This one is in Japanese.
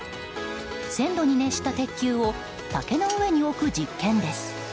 １０００度に熱した鉄球を竹の上に置く実験です。